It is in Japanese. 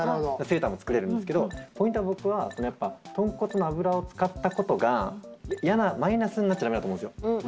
セーターも作れるんですけどポイントは僕はやっぱとんこつの油を使ったことがマイナスになっちゃ駄目だと思うんですよ。